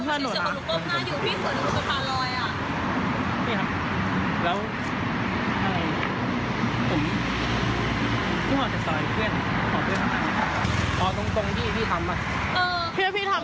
เพื่อนหนูโคมให้บ้าบอกว่าเพื่อนพี่จับน้องเพื่อนหนูนะ